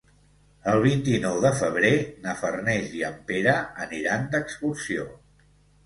El vint-i-nou de febrer na Farners i en Pere aniran d'excursió.